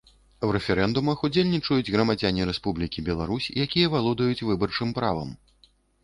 У рэферэндумах удзельнічаюць грамадзяне Рэспублікі Беларусь, якія валодаюць выбарчым правам.